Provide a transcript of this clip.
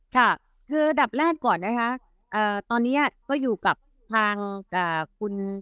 ค่ะคืออันดับแรกก่อนนะคะตอนนี้ก็อยู่กับทางคุณ